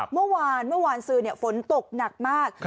เมื่อวานซื้อฝนตกหนักมาก